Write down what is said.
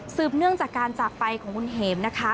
เนื่องจากการจากไปของคุณเห็มนะคะ